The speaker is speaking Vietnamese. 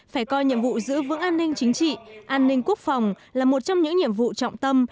phải coi nhiệm vụ giữ vững an ninh chính trị an ninh quốc phòng là một trong những nhiệm vụ trọng tâm